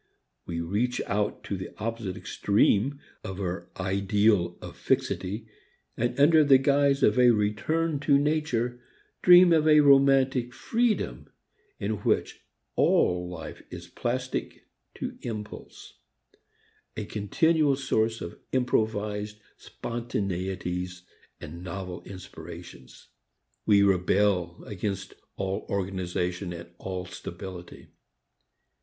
We reach out to the opposite extreme of our ideal of fixity, and under the guise of a return to nature dream of a romantic freedom, in which all life is plastic to impulse, a continual source of improvised spontaneities and novel inspirations. We rebel against all organization and all stability.